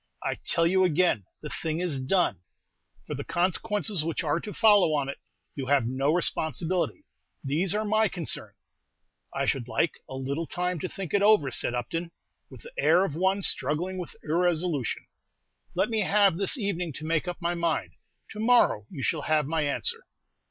I tell you again, the thing is done. For the consequences which are to follow on it you have no responsibility; these are my concern." "I should like a little time to think over it," said Upton, with the air of one struggling with irresolution. "Let me have this evening to make up my mind; to morrow you shall have my answer."